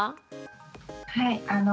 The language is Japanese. はい。